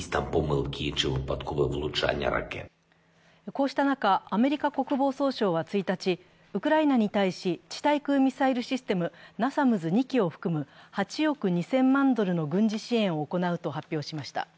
こうした中、アメリカ国防総省は１日、ウクライナに対し、地対空ミサイルシステム、ナサムズ２基を含む８億２０００万ドルの軍事支援を行うと発表しました。